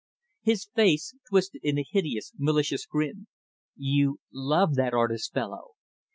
His face twisted in a hideous, malicious grin. "You love that artist fellow.